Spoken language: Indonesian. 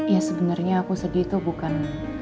ya sebenernya aku sedih tuh bukan